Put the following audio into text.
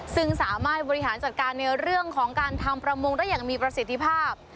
ซึ่งสามารถบริหารจัดการในเรื่องของการทำประมงได้อย่างมีประสิทธิภาพ